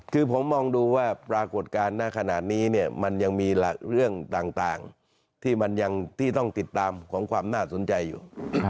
คือผมมองดูว่าปรากฏการณ์หน้าขนาดนี้เนี่ยมันยังมีเรื่องต่างที่มันยังที่ต้องติดตามของความน่าสนใจอยู่